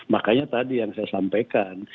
makanya tadi yang saya sampaikan